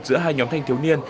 giữa hai nhóm thanh thiếu niên